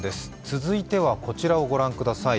続いてはこちらを御覧ください。